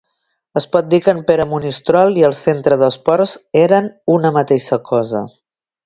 Es pot dir que en Pere Monistrol i el Centre d'Esports eren una mateixa cosa.